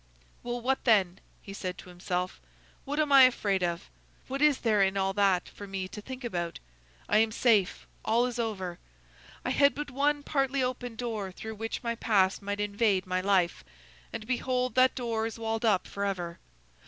"Well, what then?" he said to himself; "what am I afraid of? What is there in all that for me to think about? I am safe; all is over. I had but one partly open door through which my past might invade my life, and behold that door is walled up forever!